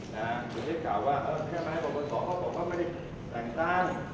นะฮะคุณเช็คข่าวว่าเออแค่มาให้บริษัทเขาบอกว่าไม่ได้แหล่งตั้ง